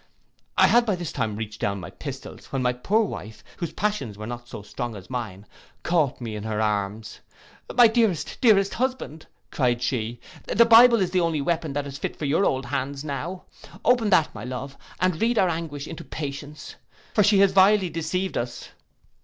'—I had by this time reached down my pistols, when my poor wife, whose passions were not so strong as mine, caught me in her arms. 'My dearest, dearest husband,' cried she, 'the Bible is the only weapon that is fit for your old hands now. Open that, my love, and read our anguish into patience, for she has vilely deceived us.